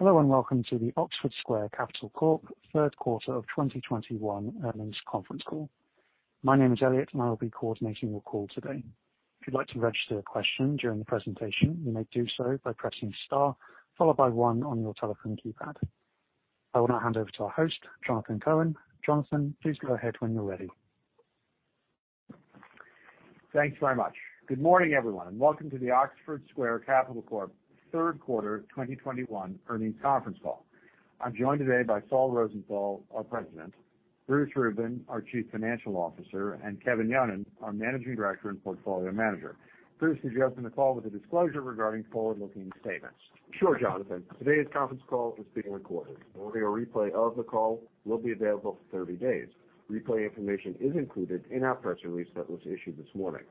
Hello, and welcome to the Oxford Square Capital Corp. third quarter of 2021 earnings conference call. My name is Elliot; I will be coordinating your call today. If you'd like to register a question during the presentation, you may do so by pressing star followed by one on your telephone keypad. I will now hand over to our host, Jonathan Cohen. Jonathan, please go ahead when you're ready. Thanks very much. Good morning, everyone. Welcome to the Oxford Square Capital Corp. third quarter 2021 earnings conference call. I'm joined today by Saul Rosenthal, our President, Bruce Rubin, our Chief Financial Officer, and Kevin Yonan, our Managing Director and Portfolio Manager. Bruce, could you open the call with a disclosure regarding forward-looking statements? Sure, Jonathan. Today's conference call is being recorded. An audio replay of the call will be available for 30 days. Replay information is included in our press release that was issued this morning.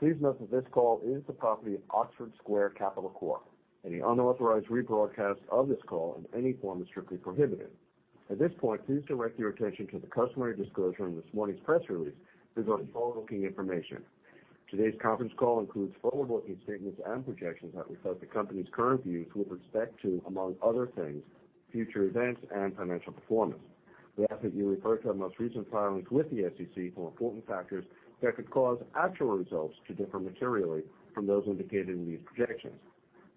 Please note that this call is the property of Oxford Square Capital Corp. Any unauthorized rebroadcast of this call in any form is strictly prohibited. At this point, please direct your attention to the customary disclosure in this morning's press release regarding forward-looking information. Today's conference call includes forward-looking statements and projections that reflect the company's current views with respect to, among other things, future events and financial performance. We ask that you refer to our most recent filings with the SEC for important factors that could cause actual results to differ materially from those indicated in these projections.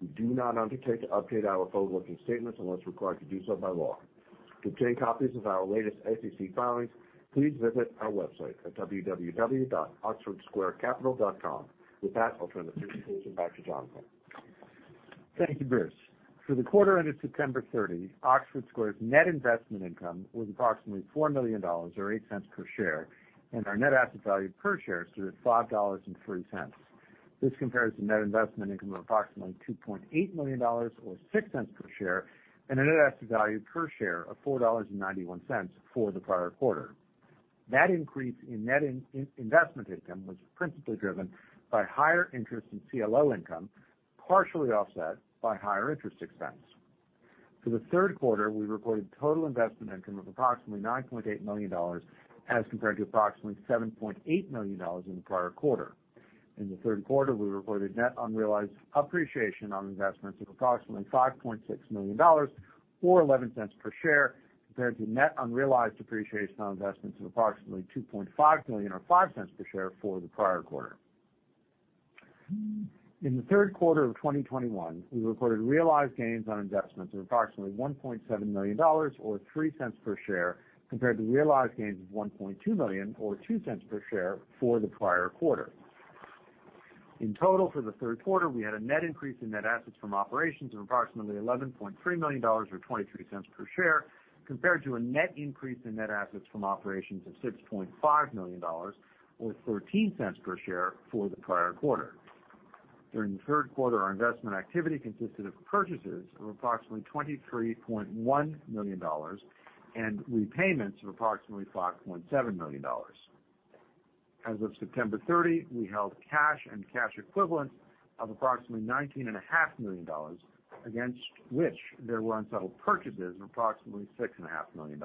We do not undertake to update our forward-looking statements unless required to do so by law. To obtain copies of our latest SEC filings, please visit our website at www.oxfordsquarecapital.com. With that, I'll turn the presentation back to Jonathan. Thank you, Bruce. For the quarter ended September 30, Oxford Square's net investment income was approximately $4 million, or $0.08 per share, and our net asset value per share stood at $5.03. This compares to net investment income of approximately $2.8 million, or $0.06 per share, and a net asset value per share of $4.91 for the prior quarter. That increase in net investment income was principally driven by higher interest in CLO income, partially offset by higher interest expense. For the third quarter, we reported total investment income of approximately $9.8 million as compared to approximately $7.8 million in the prior quarter. In the third quarter, we reported net unrealized appreciation on investments of approximately $5.6 million or $0.11 per share, compared to net unrealized appreciation on investments of approximately $2.5 million or $0.05 per share for the prior quarter. In the third quarter of 2021, we recorded realized gains on investments of approximately $1.7 million or $0.03 per share, compared to realized gains of $1.2 million or $0.02 per share for the prior quarter. In total, for the third quarter, we had a net increase in net assets from operations of approximately $11.3 million or $0.23 per share, compared to a net increase in net assets from operations of $6.5 million or $0.14 per share for the prior quarter. During the third quarter, our investment activity consisted of purchases of approximately $23.1 million and repayments of approximately $5.7 million. As of September 30, we held cash and cash equivalents of approximately $19.5 million, against which there were unsettled purchases of approximately $6.5 million.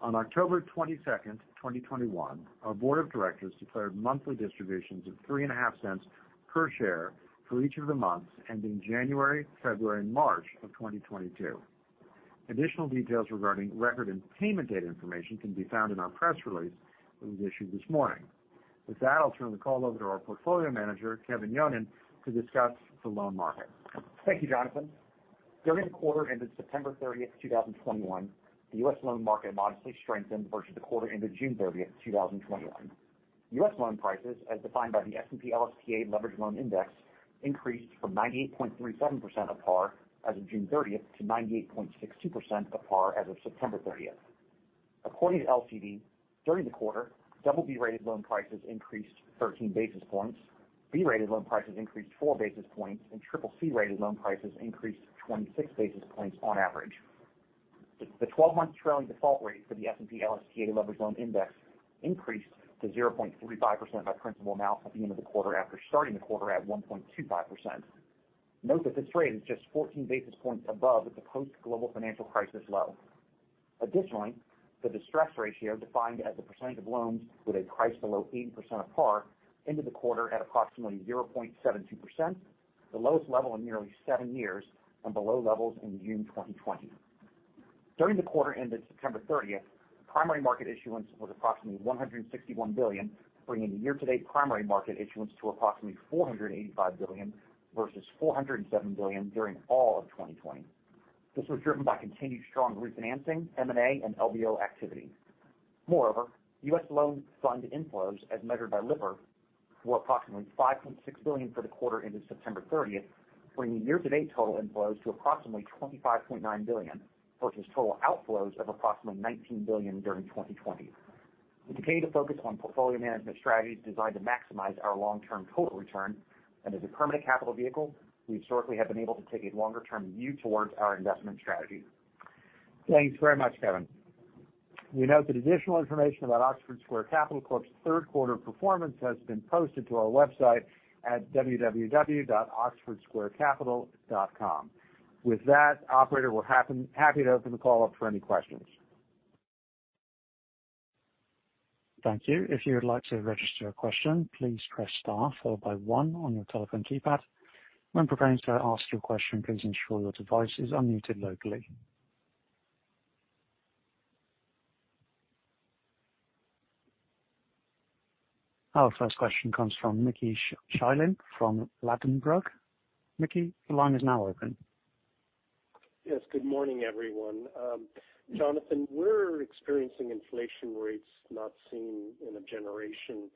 On October 22nd, 2021, our board of directors declared monthly distributions of $0.035 per share for each of the months ending January, February, and March of 2022. Additional details regarding record and payment date information can be found in our press release that was issued this morning. With that, I'll turn the call over to our portfolio manager, Kevin Yonan, to discuss the loan market. Thank you, Jonathan. During the quarter ended September 30th, 2021, the U.S. loan market modestly strengthened versus the quarter ended June 30th, 2021. U.S. loan prices, as defined by the S&P/LSTA Leveraged Loan Index, increased from 98.37% of par as of June 30th to 98.62% of par as of September 30th. According to LCD, during the quarter, BB-rated loan prices increased 13 basis points, B-rated loan prices increased 4 basis points, and CCC-rated loan prices increased 26 basis points on average. The 12-month trailing default rate for the S&P/LSTA Leveraged Loan Index increased to 0.35% by principal amount at the end of the quarter after starting the quarter at 1.25%. Note that this rate is just 14 basis points above the post-global financial crisis low. Additionally, the distress ratio, defined as the percentage of loans with a price below 80% of par into the quarter, was approximately 0.72%, the lowest level in nearly seven years and below levels in June 2020. During the quarter ended September 30th, primary market issuance was approximately $161 billion, bringing the year-to-date primary market issuance to approximately $485 billion versus $407 billion during all of 2020. This was driven by continued strong refinancing, M&A, and LBO activity. Moreover, U.S. loan fund inflows, as measured by Lipper, were approximately $5.6 billion for the quarter ended September 30th, bringing year-to-date total inflows to approximately $25.9 billion versus total outflows of approximately $19 billion during 2020. We continue to focus on portfolio management strategies designed to maximize our long-term total return, and as a permanent capital vehicle, we historically have been able to take a longer-term view towards our investment strategy. Thanks very much, Kevin. We note that additional information about Oxford Square Capital Corp.'s third quarter performance has been posted to our website at www.oxfordsquarecapital.com. With that, operator, we're happy to open the call up for any questions. Thank you. If you would like to register a question, please press star followed by one on your telephone keypad. When preparing to ask your question, please ensure your device is unmuted locally. Our first question comes from Mickey Schleien from Ladenburg. Mickey, the line is now open. Yes, good morning, everyone. Jonathan, we're experiencing inflation rates not seen in a generation.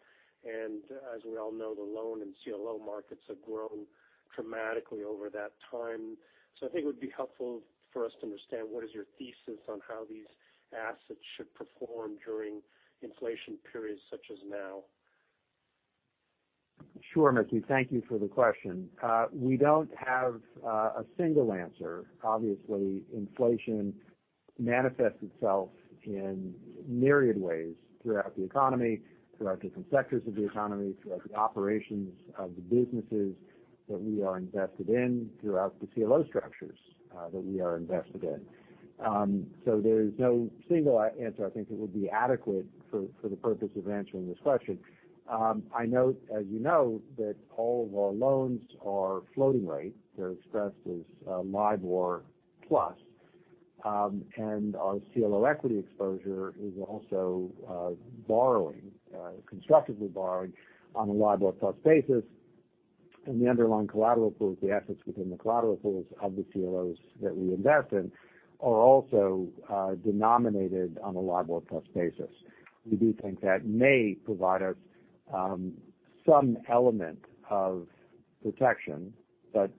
As we all know, the loan and CLO markets have grown dramatically over that time. I think it would be helpful for us to understand what your thesis is on how these assets should perform during inflation periods such as now. Sure, Mickey. Thank you for the question. We don't have a single answer. Obviously, inflation manifests itself in myriad ways throughout the economy, throughout different sectors of the economy, throughout the operations of the businesses that we are invested in, throughout the CLO structures that we are invested in. There's no single answer, I think, that would be adequate for the purpose of answering this question. As you know, all of our loans are floating rate. They're expressed as LIBOR plus. Our CLO equity exposure is also borrowing, constructively borrowing on a LIBOR-plus basis. The underlying collateral pools, the assets within the collateral pools of the CLOs that we invest in, are also denominated on a LIBOR-plus basis. We do think that may provide us some element of protection. That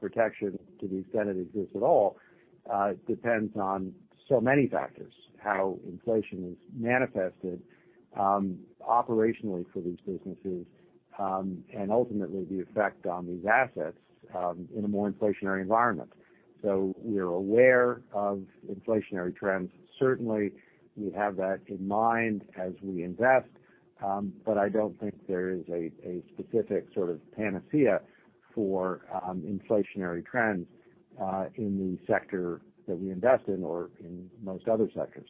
protection, to the extent it exists at all, depends on so many factors. How inflation is manifested operationally for these businesses and ultimately the effect on these assets in a more inflationary environment. We are aware of inflationary trends. Certainly, we have that in mind as we invest. I don't think there is a specific sort of panacea for inflationary trends in the sector that we invest in or in most other sectors.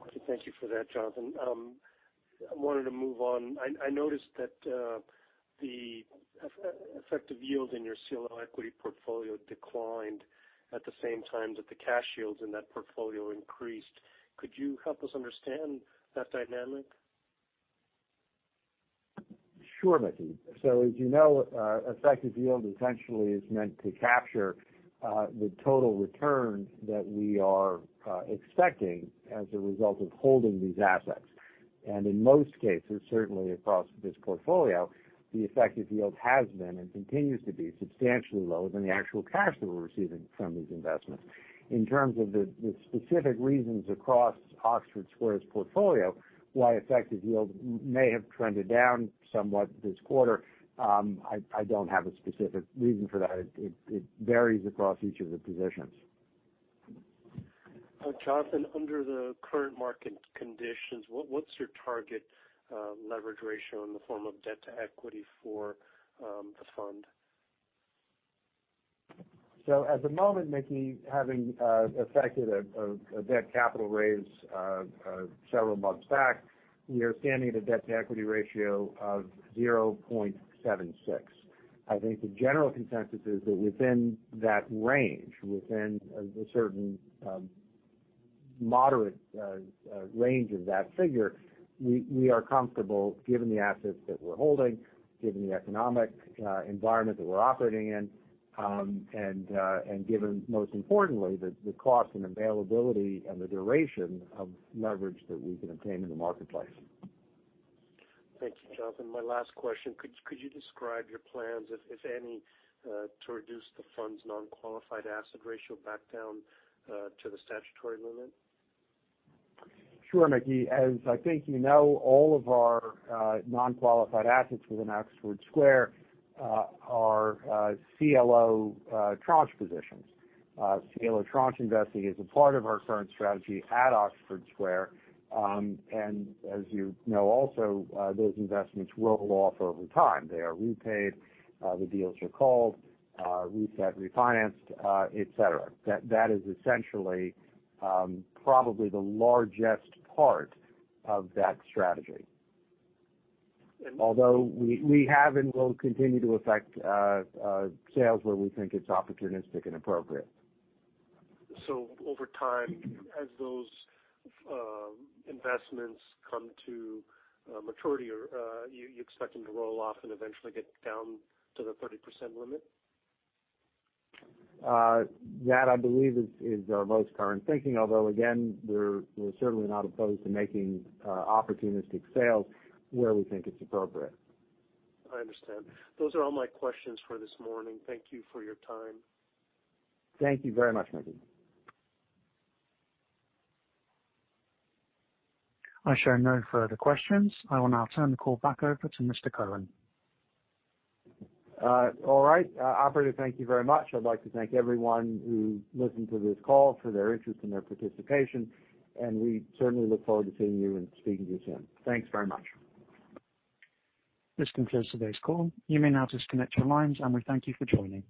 Okay. Thank you for that, Jonathan. I wanted to move on. I noticed that the effective yield in your CLO equity portfolio declined at the same time that the cash yields in that portfolio increased. Could you help us understand that dynamic? Sure, Mickey. As you know, effective yield essentially is meant to capture the total return that we are expecting as a result of holding these assets. In most cases, certainly across this portfolio, the effective yield has been and continues to be substantially lower than the actual cash that we're receiving from these investments. In terms of the specific reasons across Oxford Square's portfolio, why effective yield may have trended down somewhat this quarter, I don't have a specific reason for that. It varies across each of the positions. Jonathan, under the current market conditions, what's your target leverage ratio in the form of debt to equity for the fund? At the moment, Mickey, having affected a debt capital raise several months back, we are standing at a debt-to-equity ratio of 0.76. I think the general consensus is that within that range, within a certain moderate range of that figure, we are comfortable given the assets that we're holding, given the economic environment that we're operating in, and given, most importantly, the cost and availability and the duration of leverage that we can obtain in the marketplace. Thank you, Jonathan. My last question. Could you describe your plans, if any, to reduce the fund's non-qualified asset ratio back down to the statutory limit? Sure, Mickey. As I think you know, all of our non-qualified assets within Oxford Square are CLO tranche positions. CLO tranche investing is a part of our current strategy at Oxford Square. As you know also, those investments roll off over time. They are repaid, the deals are called, reset, refinanced, et cetera. That is essentially probably the largest part of that strategy. Although we have and will continue to effect sales where we think it's opportunistic and appropriate. Over time, as those investments come to maturity, you expect them to roll off and eventually get down to the 30% limit? That I believe is our most current thinking. Although again, we're certainly not opposed to making opportunistic sales where we think it's appropriate. I understand. Those are all my questions for this morning. Thank you for your time. Thank you very much, Mickey. I show no further questions. I will now turn the call back over to Mr. Cohen. All right. Operator, thank you very much. I'd like to thank everyone who listened to this call for their interest and their participation. We certainly look forward to seeing you and speaking to you soon. Thanks very much. This concludes today's call. You may now disconnect your lines, and we thank you for joining.